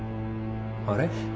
あれ？